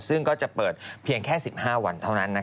ซึ่งก็จะเปิดเพียงแค่๑๕วันเท่านั้น